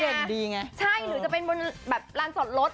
หรือจะเป็นบนร้านสอดรถ